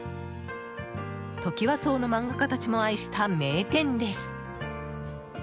トキワ荘の漫画家たちも愛した名店です。